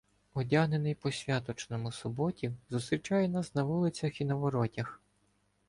Одягнений по-святочному Суботів зустрічає нас на вулиці і на воротях.